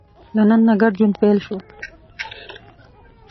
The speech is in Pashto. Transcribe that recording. له نن نه ګډ ژوند پیل شو.